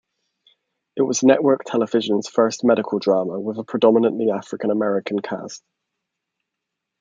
It was network television's first medical drama with a predominantly African American cast.